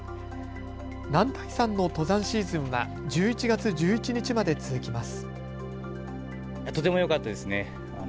男体山の登山シーズンは１１月１１日まで続きます。